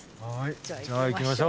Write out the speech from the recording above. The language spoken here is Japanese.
じゃあ行きましょう。